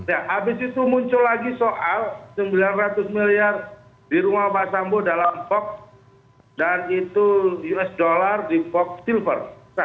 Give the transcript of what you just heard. nah habis itu muncul lagi soal sembilan ratus miliar di rumah pak sambo dalam box dan itu us dollar di vox silver